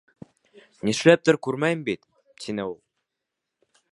—Нишләптер күрмәйем бит, —тине ул.